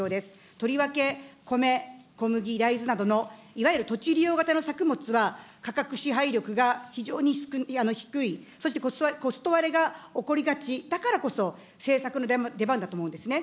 とりわけ米、小麦、大豆などのいわゆる土地利用型の作物は、価格支配力が非常に低い、そしてコスト割れが起こりがち、だからこそ政策の出番だと思うんですね。